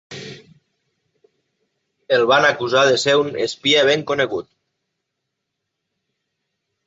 El van acusar de ser un "espia ben conegut".